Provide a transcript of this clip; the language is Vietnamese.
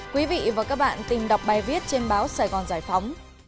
quý vị và các bạn tìm đọc bài viết trên báo sài gòn giải phóng